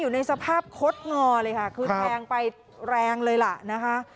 อยู่ในสภาพคดงอเลยค่ะคือแทงไปแรงเลยล่ะนะคะ